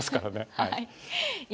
はい。